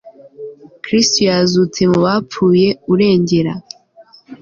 kristu yazutse mu bapfuye, urengera